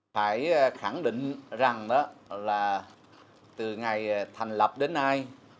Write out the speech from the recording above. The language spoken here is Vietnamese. phải khẳng định rằng là từ ngày thành lập đến nay